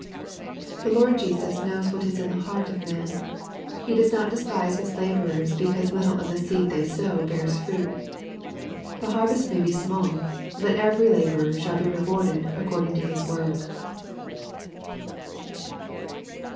The Lord Jesus knows what is in the heart of man. He does not^dfispise his laborers because little of the seed they sow bears fruit. The har vest may be small. But every laborer shall be rewarded according to his work.